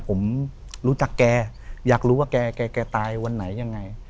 ผมรู้จักแกอยากรู้ว่าแกตายวันไหนยังไง